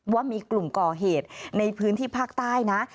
ว่ามีกลุ่มก่อเหตุในพื้นที่ภาคใต้นะ